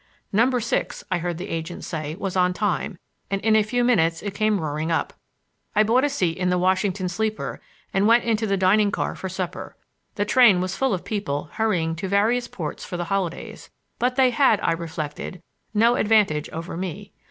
Number six, I heard the agent say, was on time; and in a few minutes it came roaring up. I bought a seat in the Washington sleeper and went into the dining car for supper. The train was full of people hurrying to various ports for the holidays, but they had, I reflected, no advantage over me.